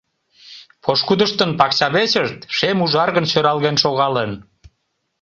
Пошкудыштын пакчавечышт шем-ужаргын сӧралген шогалын.